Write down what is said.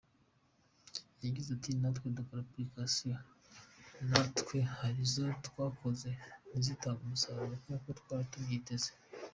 Yagize ati “ Natwe dukora application, natwe hari izo twakoze ntizitange umusaruro nkuko twari tubyiteze.